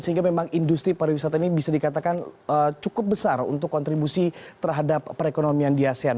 sehingga memang industri pariwisata ini bisa dikatakan cukup besar untuk kontribusi terhadap perekonomian di asean